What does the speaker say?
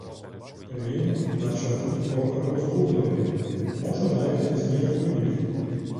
Він наче був трохи розгублений, може, навіть зніяковів.